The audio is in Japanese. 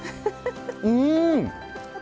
うん！